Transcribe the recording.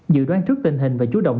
dự đoán trước tình hình và chú động